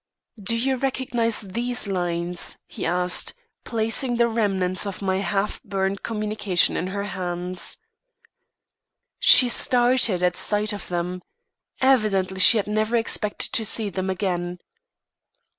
"Do you recognise these lines?" he asked, placing the remnants of my half burned communication in her hands. She started at sight of them. Evidently she had never expected to see them again.